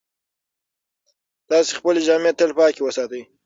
تاسې خپلې جامې تل پاکې وساتئ.